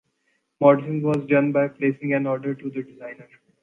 Modelling was done by placing an order to the designer.